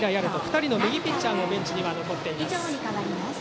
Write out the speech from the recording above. ２人の右ピッチャーもベンチには残っています。